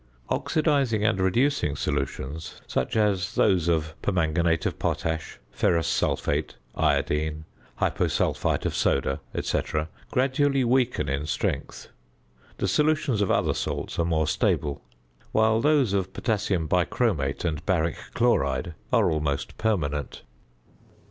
Oxidising and reducing solutions, such as those of permanganate of potash, ferrous sulphate, iodine, hyposulphite of soda, &c., gradually weaken in strength; the solutions of other salts are more stable; while those of potassium bichromate and baric chloride are almost permanent.